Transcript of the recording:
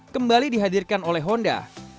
kembali dihadirkan oleh honda